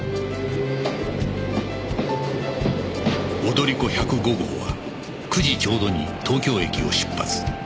踊り子１０５号は９時ちょうどに東京駅を出発